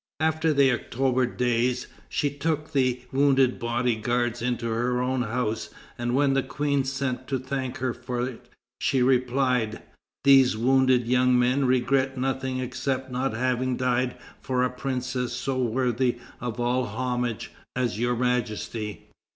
After the October Days, she took the wounded body guards into her own house, and when the Queen sent to thank her for it, she replied: "These wounded young men regret nothing except not having died for a princess so worthy of all homage as Your Majesty....